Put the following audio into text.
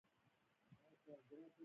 په دې طریقه کې خام تیل تصفیه کیږي